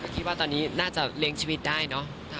คิดว่าตอนนี้น่าจะเลี้ยงชีวิตได้เนอะ